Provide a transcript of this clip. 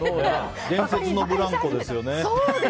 伝説のブラン娘ですよね。